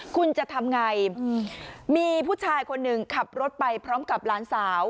คุณจะทำไงมีผู้ชายคนหนึ่งขับรถไปพร้อมกับหลานสาว